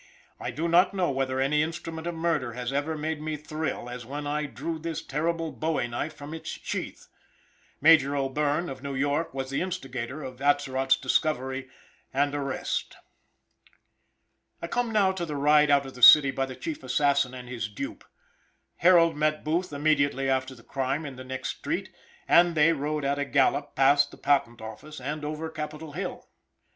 I do not know that any instrument of murder has ever made me thrill as when I drew this terrible bowie knife from its sheath. Major O'Bierne, of New York, was the instigator of Atzerott's discovery and arrest. I come now to the ride out of the city by the chief assassin and his dupe. Harold met Booth immediately after the crime in the next street, and they rode at a gallop past the Patent Office and over Capitol Hill.